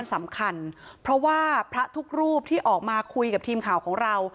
สำคัญเพราะว่าพระทุกรูปที่ออกมาคุยกับทีมข่าวของเรา